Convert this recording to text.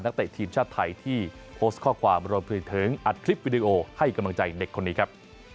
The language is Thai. เตะทีมชาติไทยที่โพสต์ข้อความรวมไปถึงอัดคลิปวิดีโอให้กำลังใจเด็กคนนี้ครับ